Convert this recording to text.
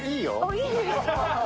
いいですか。